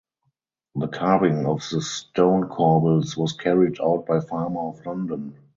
The carving of the stone corbels was carried out by Farmer of London.